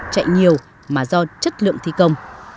chạy nhiều mà do chất lượng thi công